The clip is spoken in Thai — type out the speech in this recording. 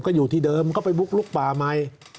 ก็อยู่ที่เดิมก็ไปบุกลุกป่าใหม่